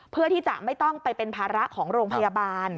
เพื่อที่จะไม่ต้องไปเป็นภาระของโรงพยาบาล